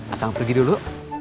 akang pergi dulu